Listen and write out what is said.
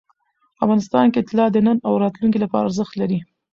افغانستان کې طلا د نن او راتلونکي لپاره ارزښت لري.